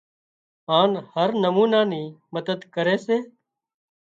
هانَ هر نمونا نِي مدد ڪري سي